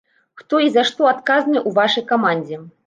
Хто і за што адказны ў вашай камандзе?